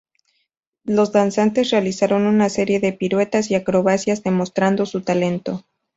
Los danzantes realizaron una serie de piruetas y acrobacias demostrando su talento.